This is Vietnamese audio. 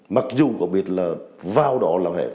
mặc dù có biết là vào đó là phải